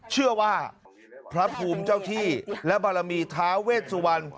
เชื่อว่าพระภูมิเจ้าที่และบารมีท้าเวชสุวรรณ